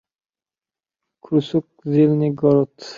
Курск — зелёный город